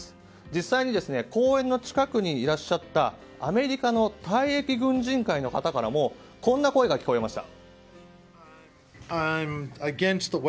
実際に公園の近くにいらっしゃったアメリカの退役軍人会の方からもこんな声が聞かれました。